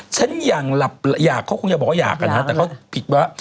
ฉันอยากหลับไหลอยากเขาคงจะบอกว่าอยากนะแต่เขาผิดว่า